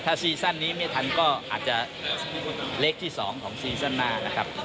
ซีซั่นนี้ไม่ทันก็อาจจะเล็กที่๒ของซีซั่นหน้านะครับ